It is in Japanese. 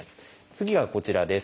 次はこちらです。